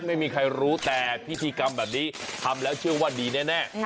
ไม่มีใครรู้แต่พิธีกรรมแบบนี้ทำแล้วเชื่อว่าดีแน่